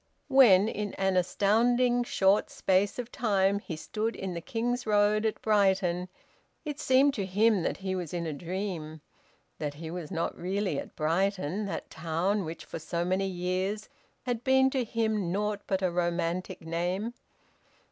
When, in an astounding short space of time, he stood in the King's Road at Brighton, it seemed to him that he was in a dream; that he was not really at Brighton, that town which for so many years had been to him naught but a romantic name.